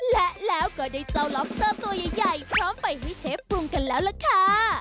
และแล้วก็ได้เจ้าล็อกเซอร์ตัวใหญ่พร้อมไปให้เชฟปรุงกันแล้วล่ะค่ะ